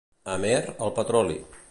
A Amer, el petroli.